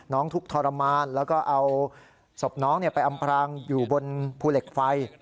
ทุกข์ทรมานแล้วก็เอาศพน้องไปอำพรางอยู่บนภูเหล็กไฟ